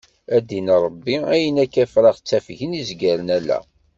A ddin Ṛebbi ayen akka ifrax ttafgen izgaren ala.